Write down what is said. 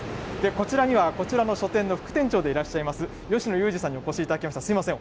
こちらには、こちらの書店の副店長でいらっしゃいます吉野裕司さんにお越しいただきました。